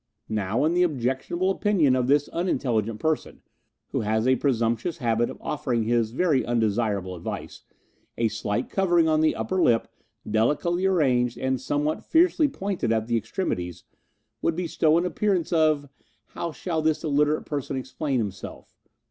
"Now, in the objectionable opinion of this unintelligent person, who has a presumptuous habit of offering his very undesirable advice, a slight covering on the upper lip, delicately arranged and somewhat fiercely pointed at the extremities, would bestow an appearance of how shall this illiterate person explain himself?